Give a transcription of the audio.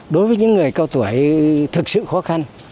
đối với những người cao tuổi thực sự khó khăn